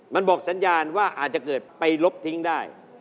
มันบอกสัญญาณว่าอาจจะเกิดไปลบทิ้งได้